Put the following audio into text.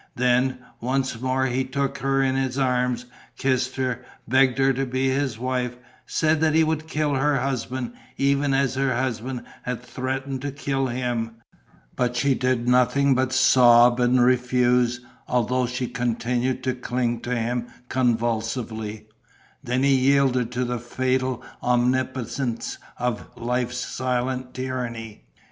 Then, once more, he took her in his arms, kissed her, begged her to be his wife, said that he would kill her husband, even as her husband had threatened to kill him. But she did nothing but sob and refuse, although she continued to cling to him convulsively. Then he yielded to the fatal omnipotence of life's silent tyranny.